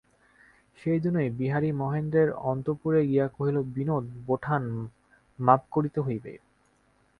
সেইদিনই বিহারী মহেন্দ্রের অন্তঃপুরে গিয়া কহিল, বিনোদ-বোঠান, মাপ করিতে হইবে।